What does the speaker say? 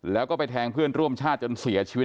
แล้วก็ไปแทงเพื่อนร่วมชาติจนเสียชีวิต